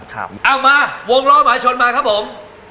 เอามาวงล้อหมาชนมาครับผม